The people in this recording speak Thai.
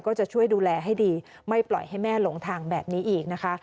ก็จะช่วยดูแลให้ดีไม่ปล่อยให้แม่หลงทางแบบนี้อีกนะคะ